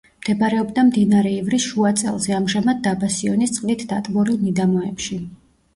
მდებარეობდა მდინარე ივრის შუაწელზე, ამჟამად დაბა სიონის წყლით დატბორილ მიდამოებში.